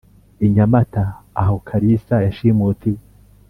inyamata aho kalisa yashimutiwe,